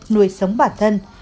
nuôi sống bản thân